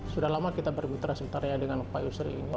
sudah lama kita bermitra sementara ya dengan pak yusri ini